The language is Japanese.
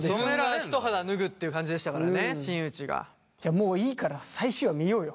もういいから最終話見ようよ。